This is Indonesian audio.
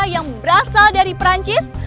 yang berasal dari perancis